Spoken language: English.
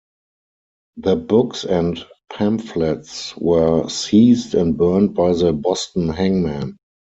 Their books and pamphlets were seized and burned by the Boston hangman.